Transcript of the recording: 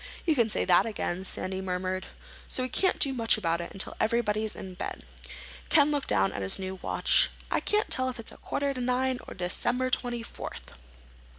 "You can say that again," Sandy murmured. "So we can't do much about it until everybody's in bed." Ken looked down at his new watch. "I can't tell if it's quarter to nine or December twenty fourth."